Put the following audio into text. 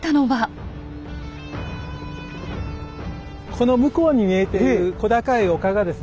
この向こうに見えている小高い丘がですね